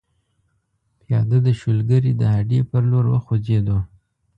پیاده د شولګرې د هډې پر لور وخوځېدو.